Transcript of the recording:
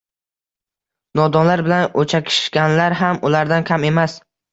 Nodonlar bilan o’chakishganlar ham ulardan kam emas…